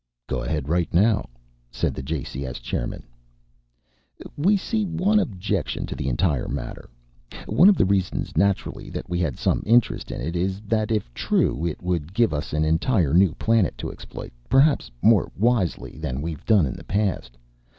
"Go ahead right now," said the JCS chairman. "We see one objection to the entire matter. One of the reasons, naturally, that we had some interest in it is that, if true, it would give us an entire new planet to exploit, perhaps more wisely than we've done in the past.